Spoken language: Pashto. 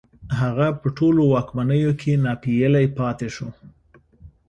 هغه په ټولو واکمنيو کې ناپېيلی پاتې شو